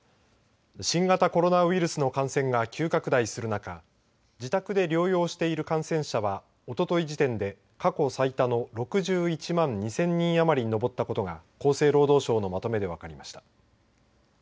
新型コロナウイルスの感染が急拡大する中自宅で療養している感染者はおととい時点で、過去最多の６１万２０００人余りに上ったことが厚生労働省のまとめで分かりました。